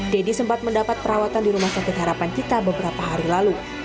deddy sempat mendapat perawatan di rumah sakit harapan kita beberapa hari lalu